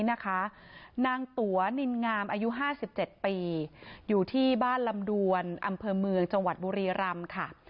นางตั๋วนินงามอายุ๕๗ปีอยู่ที่บ้านลำดวนอำเภอเมืองจังหวัดบุรีรำค่ะ